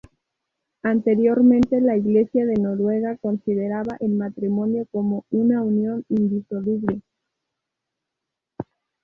Anteriormente la Iglesia de Noruega consideraba el matrimonio como una unión indisoluble.